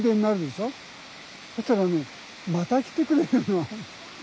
そしたらねまた来てくれるの。